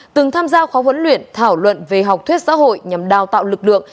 từng tham gia khóa huấn luyện thảo luận về học thuyết xã hội nhằm đào tạo lực lượng